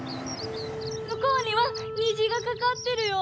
むこうにはにじがかかってるよ！